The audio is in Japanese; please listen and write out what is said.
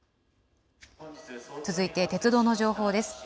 続いて鉄道の情報です。